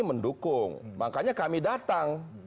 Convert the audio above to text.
mendukung makanya kami datang